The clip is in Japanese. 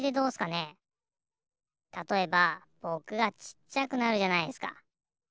たとえばぼくがちっちゃくなるじゃないっすか。